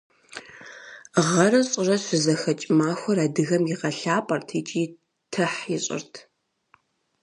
Гъэрэ щӏырэ щызэхэкӏ махуэр адыгэм игъэлӏапӏэрт икӏи тыхь ищӏырт.